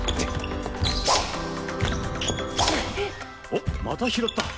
おまた拾った。